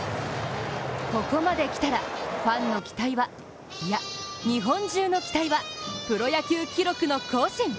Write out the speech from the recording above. ここまできたら、ファンの期待はいや、日本中の期待はプロ野球記録の更新。